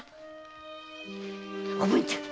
おぶんちゃん。